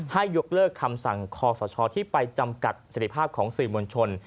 ให้ยกเลิกคำสั่งคอสชที่ไปจำกัดเสร็จภาพของสื่อมวลชน